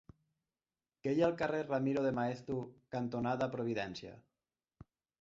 Què hi ha al carrer Ramiro de Maeztu cantonada Providència?